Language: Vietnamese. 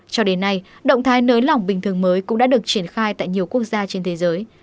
cho đến nay động thái nới lỏng bình thường mới cũng đã được triển khai tại nhiều quốc gia trên thế giới